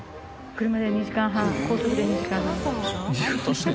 車で２時間半高速で２時間半。